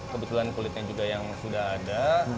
kebetulan kulitnya juga yang sudah ada